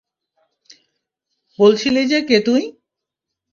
বলছিলি যে কে তুই?